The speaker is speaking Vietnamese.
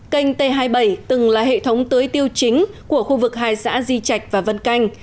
canh t hai mươi bảy từng là hệ thống tưới tiêu chính của khu vực hai xã di trạch và vân canh